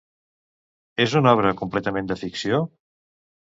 És una obra completament de ficció?